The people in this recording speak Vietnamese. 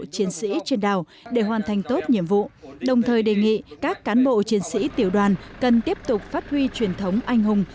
chiến sĩ trên đảo để hoàn thành tốt nhiệm vụ đồng thời đề nghị các cán bộ chiến sĩ tiểu đoàn cần tiếp tục phát huy truyền thống anh hùng